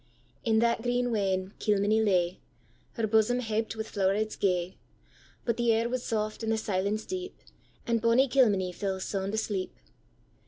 In that green wene Kilmeny lay, Her bosom happ'd wi' flowerets gay; But the air was soft and the silence deep, And bonnie Kilmeny fell sound asleep.